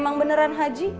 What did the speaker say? emang beneran haji